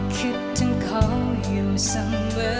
คิดถึงเขาอยู่เสมอ